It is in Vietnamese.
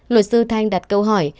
luật sư thanh đặt câu hỏi